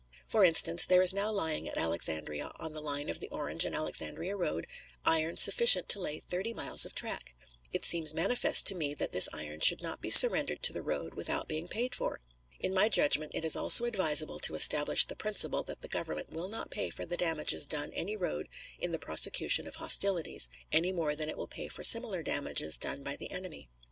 For instance, there is now lying at Alexandria, on the line of the Orange and Alexandria road, iron sufficient to lay thirty miles of track. It seems manifest to me that this iron should not be surrendered to the road without being paid for. In my judgment it is also advisable to establish the principle that the Government will not pay for the damages done any road in the prosecution of hostilities, any more than it will pay for similar damages done by the enemy.